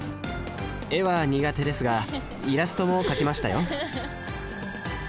絵は苦手ですがイラストも描きましたよ